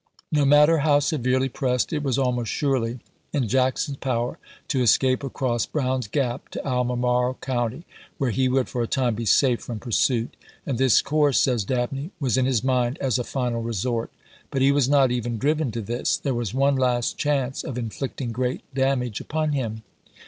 No matter how severely pressed, it was almost surely in Jackson's power to escape across Brown's Gap to Albemarle County, where he would for a time be safe from pursuit ; and this course, says Dabney, was in his mind p. 4<M. ' as a final resort. But he was not even driven to this. There was one last chance of inflicting gi'eat damage upon him.